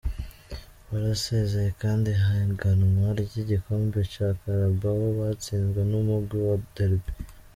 Barasezeye kandi ihiganwa ry'igikombe ca Carabao batsinzwe n'umugwi wa Derby.